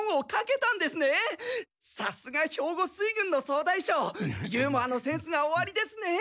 さすが兵庫水軍の総大将ユーモアのセンスがおありですね。